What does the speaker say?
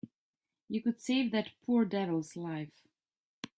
You could save that poor devil's life.